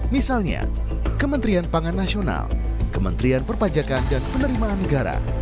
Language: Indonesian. misalnya kementerian pangan nasional kementerian perpajakan dan penerimaan negara